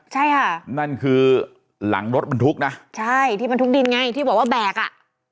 ใช่ค่ะนั่นคือหลังรถบรรทุกนะใช่ที่บรรทุกดินไงที่บอกว่าแบกอ่ะ